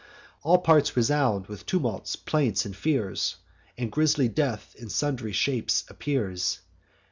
All parts resound with tumults, plaints, and fears; And grisly Death in sundry shapes appears.